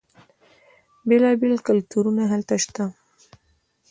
بیلا بیل کلتورونه هلته شته.